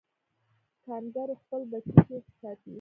کانګارو خپل بچی چیرته ساتي؟